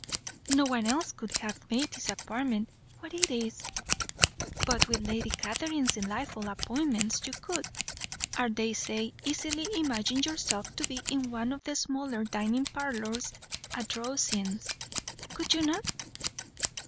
No one else could have made this apartment what it is, but with Lady Catherine's delightful appointments you could, I daresay, easily imagine yourself to be in one of the smaller dining parlours at Rosings, could you not?"